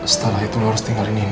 setelah itu lo harus tinggalin ini